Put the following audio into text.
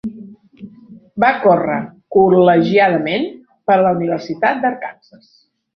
Va córrer col·legiadament per a la Universitat d"Arkansas.